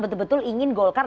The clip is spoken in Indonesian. betul betul ingin golkar